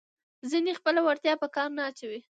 ځینې خپله وړتیا په کار نه اچوي.